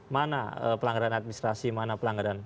mana pelanggaran administrasi mana pelanggaran